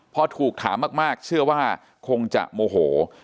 พอถูกถามมากเชื่อว่าคงจะโมโห